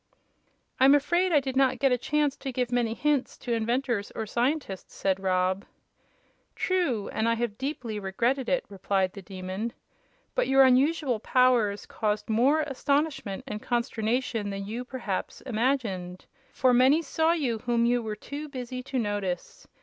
"I'm afraid I did not get a chance to give many hints to inventors or scientists," said Rob. "True, and I have deeply regretted it," replied the Demon. "But your unusual powers caused more astonishment and consternation than you, perhaps, imagined; for many saw you whom you were too busy to notice.